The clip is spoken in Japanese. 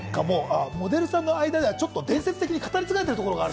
モデルさんの間では伝説的に語り継がれてるところがある。